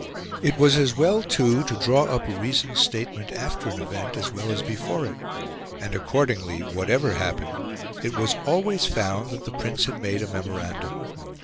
It was as well, too, to draw up a reasoned statement after an event, as well as before it; and accordingly, whatever happened, it was always found that the Prince had made a memorandum.